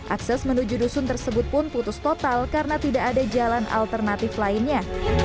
akses menuju dusun tersebut pun putus total karena tidak ada jalan alternatif lainnya